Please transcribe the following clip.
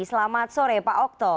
selamat sore pak oktoh